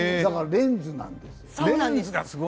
レンズなんです！